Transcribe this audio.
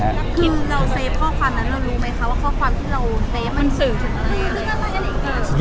คือเราเซฟข้อความนั้นเรารู้ไหมคะว่าข้อความที่เราเซฟมันสื่อถึงอะไร